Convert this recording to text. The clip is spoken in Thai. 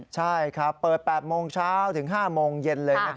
ใช่ครับเปิด๘โมงเช้าถึง๕โมงเย็นเลย